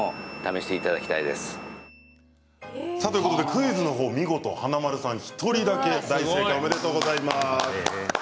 クイズの方、見事華丸さん１人だけ大正解おめでとうございます。